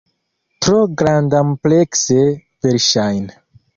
Tro grandamplekse, verŝajne.